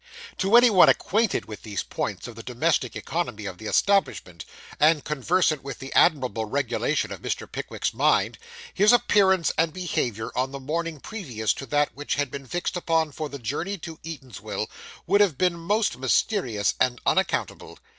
To any one acquainted with these points of the domestic economy of the establishment, and conversant with the admirable regulation of Mr. Pickwick's mind, his appearance and behaviour on the morning previous to that which had been fixed upon for the journey to Eatanswill would have been most mysterious and unaccountable.